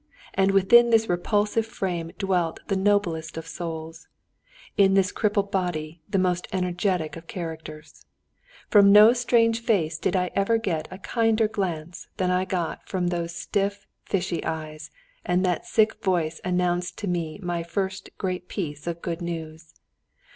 And within this repulsive frame dwelt the noblest of souls, in this crippled body the most energetic of characters. From no strange face did I ever get a kinder glance than I got from those stiff fishy eyes, and that sick voice announced to me my first great piece of good news.